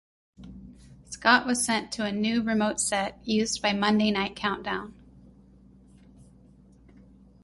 Scott was sent to a new remote set used by "Monday Night Countdown".